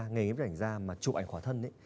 ngày nhếp ảnh da mà chụp ảnh khỏa thân